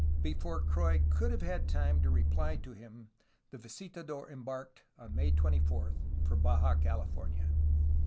Before Croix could have had time to reply to him the visitador embarked, on May 24, for Baja California.